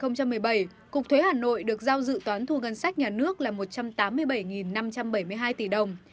năm hai nghìn một mươi bảy cục thuế hà nội được giao dự toán thu ngân sách nhà nước là một trăm tám mươi bảy năm trăm bảy mươi hai tỷ đồng